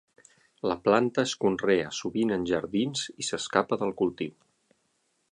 La planta es conrea sovint en jardins i s'escapa del cultiu.